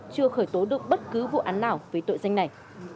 chưa khởi tố được bất cứ vụ án nào về tội danh này